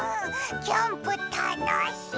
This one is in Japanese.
キャンプたのしい！